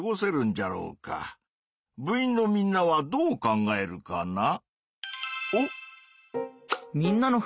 部員のみんなはどう考えるかな？